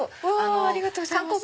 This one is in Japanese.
ありがとうございます。